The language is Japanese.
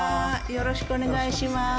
よろしくお願いします。